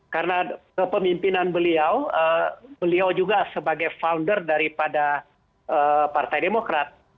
karena kepemimpinan beliau beliau juga sebagai founder dari partai demokrat